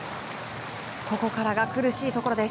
ここからが苦しいところです。